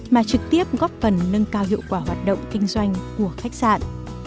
mà trực tiếp góp phần nâng cao hiệu quả hoạt động kinh doanh của khách sạn